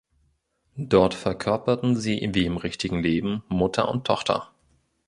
Dort verkörperten sie wie im richtigen Leben Mutter und Tochter.